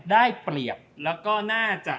ได้เปรียบแล้วก็น่าจะ